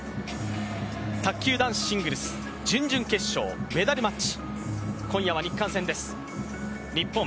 卓球男子シングルス準々決勝、メダルマッチ。